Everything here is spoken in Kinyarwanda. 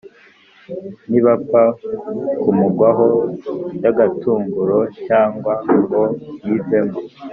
ntibapfa kumugwaho by’agatunguro cyangwa ngo yivemo.